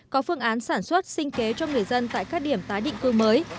có phương án sản xuất sinh kế cho người dân tại các điểm tái định cư mới